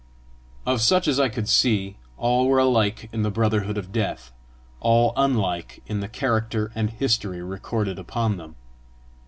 Of such as I could see, all were alike in the brotherhood of death, all unlike in the character and history recorded upon them.